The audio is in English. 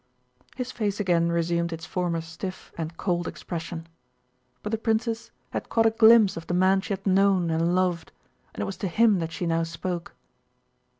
His face again resumed its former stiff and cold expression. But the princess had caught a glimpse of the man she had known and loved, and it was to him that she now spoke.